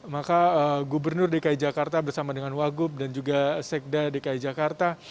maka gubernur dki jakarta bersama dengan wagub dan juga sekda dki jakarta